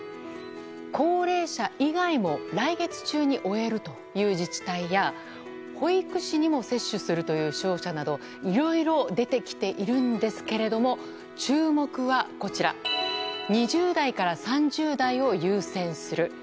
高齢者以外も来月中に終えるという自治体や保育士にも接種するという商社などいろいろ出てきているんですけれども注目は２０代から３０代を優先する。